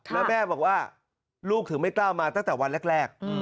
แล้วแม่บอกว่าลูกถึงไม่กล้ามาตั้งแต่วันแรก